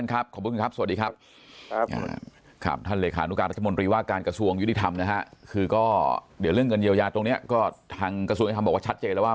ก็ทางกระสูงอินทรัพย์บอกว่าชัดเจนแล้วว่า